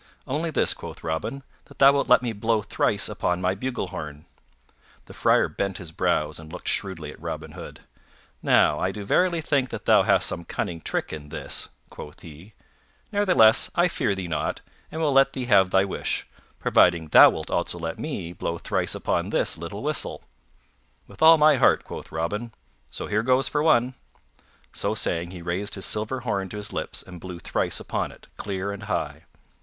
"Only this," quoth Robin; "that thou wilt let me blow thrice upon my bugle horn." The Friar bent his brows and looked shrewdly at Robin Hood. "Now I do verily think that thou hast some cunning trick in this," quoth he. "Ne'ertheless, I fear thee not, and will let thee have thy wish, providing thou wilt also let me blow thrice upon this little whistle." "With all my heart," quoth Robin, "so, here goes for one." So saying, he raised his silver horn to his lips and blew thrice upon it, clear and high.